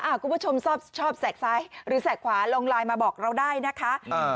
คุณผู้ชมชอบชอบแกกซ้ายหรือแกกขวาลงไลน์มาบอกเราได้นะคะ